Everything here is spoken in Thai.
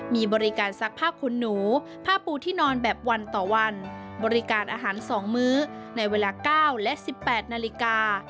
มีบริการซักผ้าขุนหนูผ้าปูที่นอนแบบวันต่อวันบริการอาหาร๒มื้อในเวลา๙และ๑๘นาฬิกา